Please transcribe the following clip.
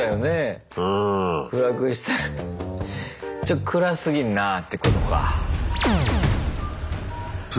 ちょっと暗すぎんなぁってことか。